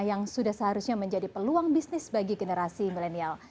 yang sudah seharusnya menjadi peluang bisnis bagi generasi milenial